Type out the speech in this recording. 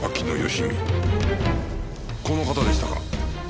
この方でしたか？